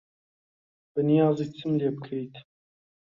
بەنیازی چیم لێ بکەیت؟